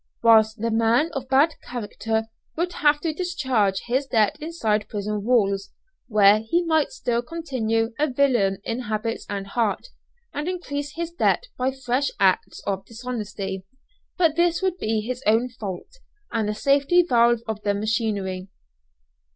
Whilst the man of bad character would have to discharge his debt inside prison walls, where he might still continue a villain in habits and heart, and increase his debt by fresh acts of dishonesty; but this would be his own fault, and the safety valve of the machinery.